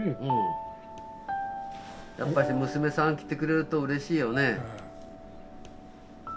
やっぱし娘さん来てくれるとうれしいよね。